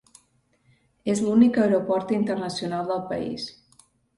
És l'únic aeroport internacional del país.